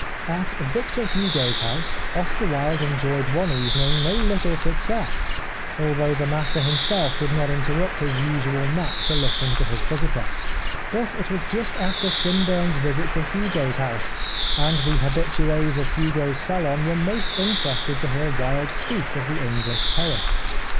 At Victor Hugo's house Oscar Wilde enjoyed one evening no little success, although the master himself did not interrupt his usual nap to listen to his visitor: but it was just after Swinburne's visit to Hugo's house and the hahituds of Hugo's salon were most interested to hear Wilde speak of the English poet.